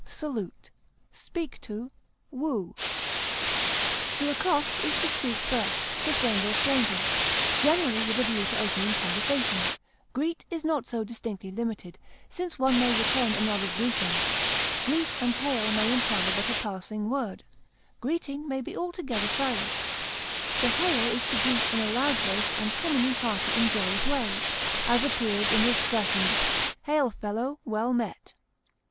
appeal, greet, To accost is to speak first, to friend or stranger, generally with a view to opening conversation; greet is not so distinctly limited, since one may return another's greeting; greet and hail may imply but a passing word; greeting may be altogether silent; to hail is to greet in a loud voiced and commonly hearty and joyous way, as appears in the expression "hail fellow, well met."